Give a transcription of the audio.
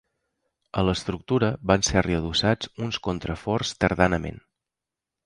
A l'estructura van ser-li adossats uns contraforts tardanament.